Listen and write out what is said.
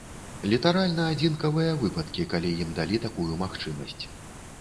Літаральна адзінкавыя выпадкі, калі ім далі такую магчымасць.